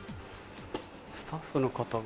スタッフの方が。